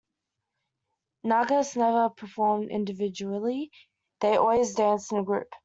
Nagas never perform individually, they always dance in a group.